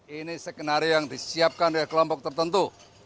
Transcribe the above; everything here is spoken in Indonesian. ini skenario yang disiapkan oleh kelompok tertentu